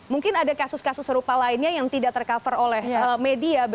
mungkin ada kasus kasus serupa lainnya yang tidak tercover oleh media